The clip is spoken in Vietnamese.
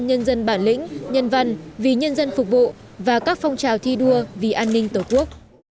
nhân dân bản lĩnh nhân văn vì nhân dân phục vụ và các phong trào thi đua vì an ninh tổ quốc